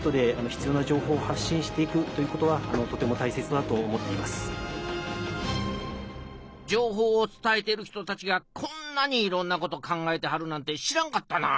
なるべく多くの方の情報を伝えてる人たちがこんなにいろんなこと考えてはるなんて知らんかったな。